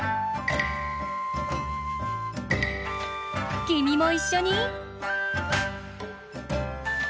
きみもいっしょに！